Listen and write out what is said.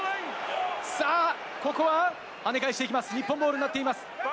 さあ、ここははね返していきます、日本ボールになっています。